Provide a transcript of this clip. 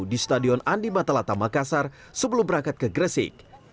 di stadion andi matalata makassar sebelum berangkat ke gresik